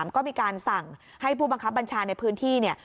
ก็มีการสั่งให้ผู้บังคับบัญชาในพื้นที่เนี่ย